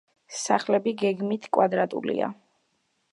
სახლები გეგმით კვადრატულია.